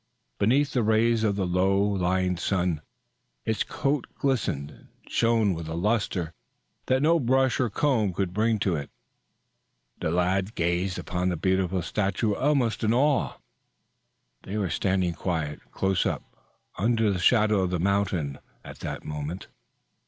Beneath the rays of the low lying sun, its coat glistened and shone with a luster that no brush or comb could bring to it. The lads gazed upon the beautiful statue almost in awe. They were standing quite close up under the shadow of the mountain at that moment.